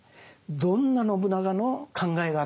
どんな信長の考えがあったのか